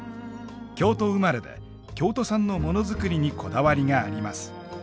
京都生まれで京都産のモノづくりにこだわりがあります。